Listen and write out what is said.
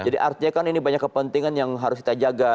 artinya kan ini banyak kepentingan yang harus kita jaga